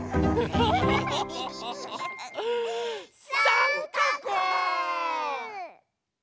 さんかく！